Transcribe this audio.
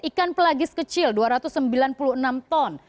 ikan pelagis kecil dua ratus sembilan puluh enam ton